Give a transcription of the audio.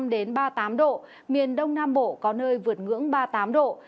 đến ba mươi tám độ miền đông nam bộ có nơi vượt ngưỡng ba mươi tám độ